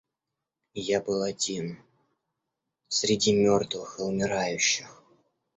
Я был один среди мертвых и умирающих.